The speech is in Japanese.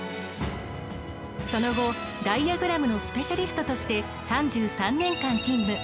その後ダイヤグラムのスペシャリストとして３３年間勤務。